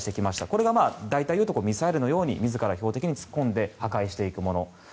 これがミサイルのように自ら標的に突っ込んで破壊していくもの。